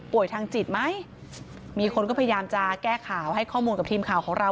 ทางจิตไหมมีคนก็พยายามจะแก้ข่าวให้ข้อมูลกับทีมข่าวของเรา